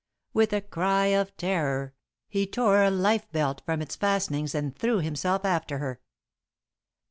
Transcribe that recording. With a cry of terror, he tore a lifebelt from its fastenings and threw himself after her.